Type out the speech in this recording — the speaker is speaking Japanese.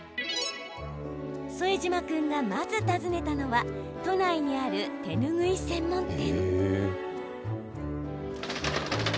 副島君がまず訪ねたのは都内にある手ぬぐい専門店。